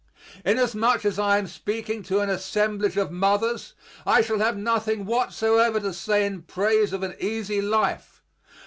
Inasmuch as I am speaking to an assemblage of mothers, I shall have nothing whatever to say in praise of an easy life.